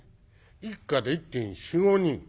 一家で１．４１．５人。